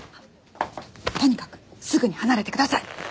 とにかくすぐに離れてください！